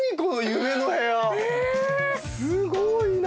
すごいな！